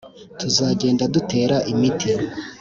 tuzagenda dutera imiti